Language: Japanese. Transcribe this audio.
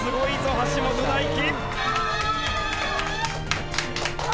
橋本大輝。